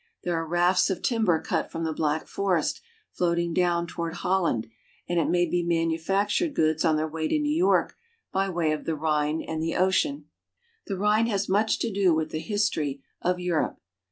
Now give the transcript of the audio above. There are rafts of timber cut from the Black Forest floating down toward Holland, and it may be manufactured goods on their way to New York by way of the Rhine and the ocean. The Rhine has had much to do with the history of Europe.